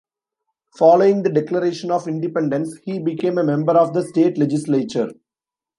Following the declaration of independence, he became a member of the state legislature.